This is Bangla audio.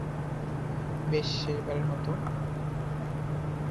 বেশ, শেষবারের মতো।